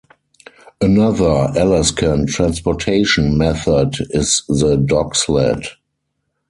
Another Alaskan transportation method is the dogsled.